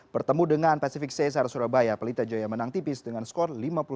pertemu dengan pacific cesar surabaya pelita jaya menang tipis dengan skor lima puluh lima lima puluh satu